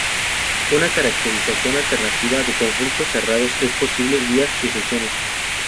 Una caracterización alternativa de conjuntos cerrados es posible vía sucesiones.